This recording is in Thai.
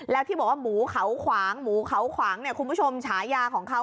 แล้วที่บอกว่าหมูเขาขวางหมูเขาขวางเนี่ยคุณผู้ชมฉายาของเขา